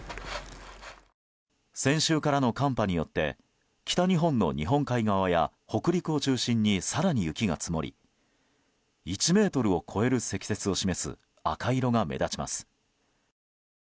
先週からの寒波によって北日本の日本海側や北陸を中心に更に雪が積もり１ｍを超える積雪を示す赤色が目立ちます。